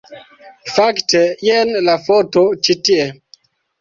Fakte, jen la foto ĉi tie